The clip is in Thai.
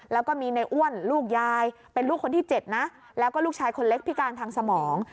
แล้วก็มีในอ้วนลูกยายเป็นลูกคนที่๗นะแล้วก็ลูกชายคนเล็กพิการทางสมอง